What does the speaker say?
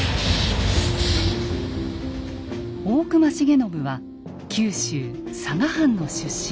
大隈重信は九州佐賀藩の出身。